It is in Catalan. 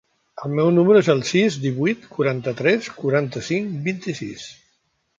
El meu número es el sis, divuit, quaranta-tres, quaranta-cinc, vint-i-sis.